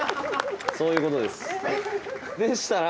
そういうことです。でしたら。